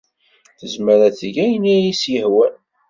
Tezmer ad teg ayen ay as-yehwan.